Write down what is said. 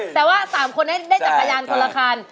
แต่ว่า๓คนได้จักรยานคนละคัน